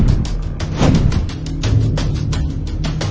แล้วก็พอเล่ากับเขาก็คอยจับอย่างนี้ครับ